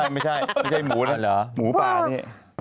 ไม่ใช่หมูนะหมูป่านี่